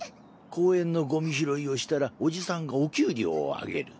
公園のゴミ拾いをしたらおじさんがお給料をあげる。